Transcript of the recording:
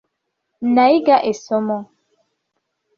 Nayiga essomo.